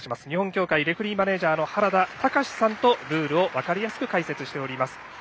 日本協会レフリーマネージャーの原田隆司さんとルールを分かりやすく解説しております。